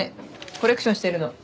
コレクションしてるの。